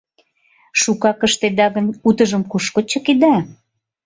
Шукак ыштеда гын, утыжым кушко чыкеда?..